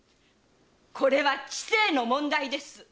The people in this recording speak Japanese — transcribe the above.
これは治政の問題です！